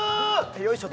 よいしょ